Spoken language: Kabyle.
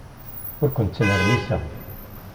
Ur ken-ttnermiseɣ.